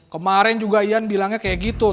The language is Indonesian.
kemarin juga ian bilangnya kayak gitu